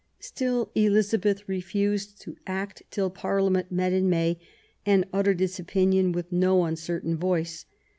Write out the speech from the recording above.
Still Elizabeth refused to act till ParHa ment met, in May, and uttered its bpinion with no uncertain voice.